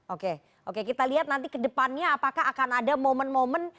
oke oke kita lihat nanti ke depannya apakah akan ada momen momen